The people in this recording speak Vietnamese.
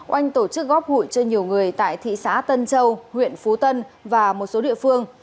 oanh tổ chức góp hụi cho nhiều người tại thị xã tân châu huyện phú tân và một số địa phương